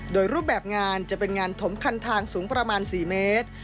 โดยรูปแบบงานจะเป็นงานถมคันทางสูงประมาณ๔เมตร